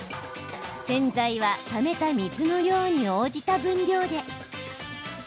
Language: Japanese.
洗剤はためた水の量に応じた分量で。